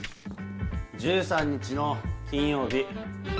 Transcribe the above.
１３日の金曜日。